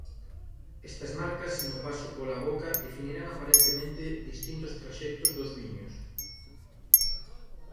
Estas marcas no paso pola boca definirán aparentemente distintos traxectos dos viños.